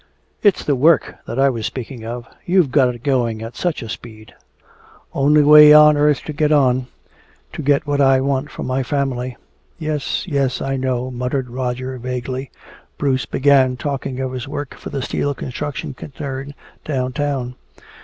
It's the work that I was speaking of. You've got it going at such a speed " "Only way on earth to get on to get what I want for my family " "Yes, yes, I know," muttered Roger vaguely. Bruce began talking of his work for the steel construction concern downtown.